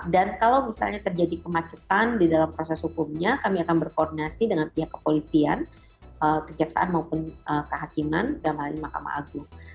kalau misalnya terjadi kemacetan di dalam proses hukumnya kami akan berkoordinasi dengan pihak kepolisian kejaksaan maupun kehakiman dalam hal ini mahkamah agung